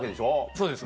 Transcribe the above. そうです